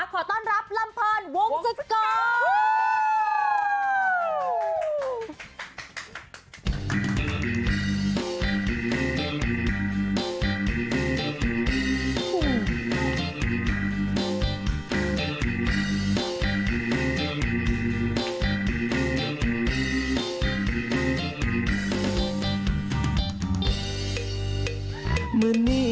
ขอต้อนรับลำเพลินวงศักดิ์